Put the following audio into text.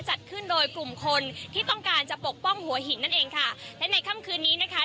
จัดขึ้นโดยกลุ่มคนที่ต้องการจะปกป้องหัวหินนั่นเองค่ะและในค่ำคืนนี้นะคะ